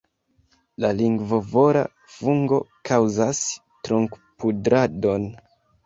La lingvovora fungo kaŭzas trunkpudradon.